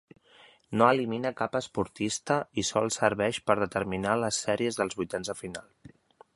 No elimina cap esportista i sols serveix per determinar les sèries dels vuitens de final.